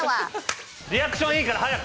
リアクションいいから早く！